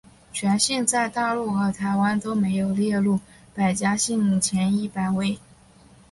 全姓在大陆和台湾都没有列入百家姓前一百位。